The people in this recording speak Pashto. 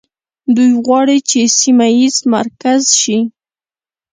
دوی غواړي چې سیمه ییز مرکز شي.